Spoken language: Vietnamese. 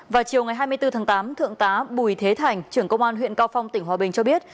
vào chiều ngày hai mươi bốn tháng tám thượng tá bùi thế thành trưởng công an huyện cao phong tỉnh hòa bình cho biết